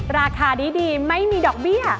ราคาดีไม่มีดอกเบี้ย